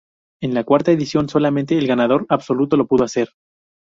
En la cuarta edición, solamente el ganador absoluto lo pudo hacer.